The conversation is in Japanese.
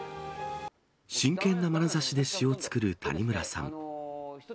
真剣なまなざしで詞を作る谷村さん。